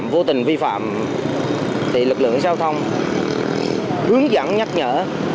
vô tình vi phạm thì lực lượng cảnh sát giao thông hướng dẫn nhắc nhở